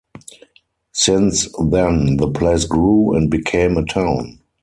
Since then the place grew and became a town.